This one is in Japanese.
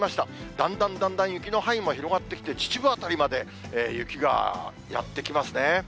だんだんだんだん雪の範囲も広がってきて、秩父辺りまで雪がやって来ますね。